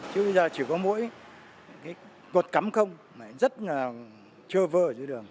chứ bây giờ chỉ có mỗi cái cột cắm không rất là chưa vơ dưới đường